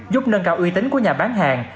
giúp nâng cao uy tín của nhà bán hàng